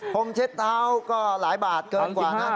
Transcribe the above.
ผมเช็ดเท้าก็หลายบาทเกินกว่านะ